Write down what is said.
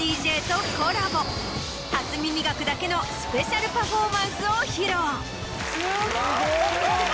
『初耳学』だけのスペシャルパフォーマンスを披露。